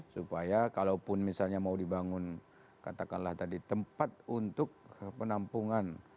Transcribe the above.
supaya kalaupun misalnya mau dibangun katakanlah tadi tempat untuk penampungan